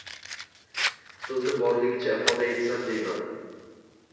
So‘zni borligicha ifoda etsam deyman.